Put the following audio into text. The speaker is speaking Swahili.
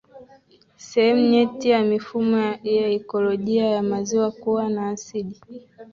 sehemu nyeti ya mifumo ya ikolojia ya maziwa kuwa na asidi